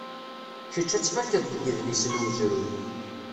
Kečč ad tt-tfakkeḍ deg idlisen umezruy.